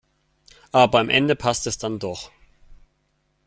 Aber am Ende passt es dann doch.